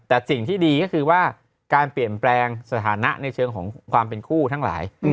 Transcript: แต่สิ่งที่ดีก็คือว่าการเปลี่ยนแปลงสถานะในเชิงของความเป็นคู่ทั้งหลาย